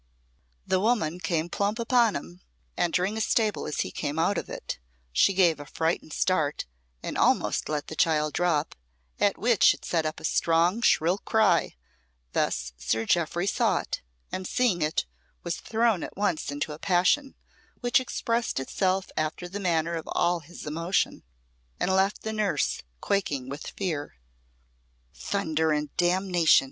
The woman came plump upon him, entering a stable as he came out of it; she gave a frightened start, and almost let the child drop, at which it set up a strong, shrill cry, and thus Sir Jeoffry saw it, and seeing it, was thrown at once into a passion which expressed itself after the manner of all his emotion, and left the nurse quaking with fear. "Thunder and damnation!"